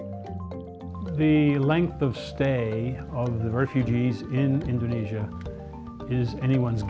jumlah tinggalan penyeludup di indonesia adalah percayaan dari semua orang